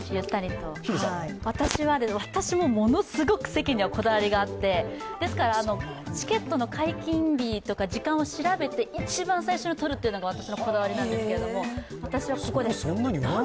私も、ものすごく席にはこだわりがあってチケットの解禁日とか時間を調べて一番最初に取るというのが私のこだわりなんですけど、私はここです。